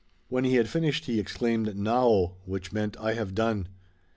When he had finished he exclaimed, "Naho," which meant, "I have done."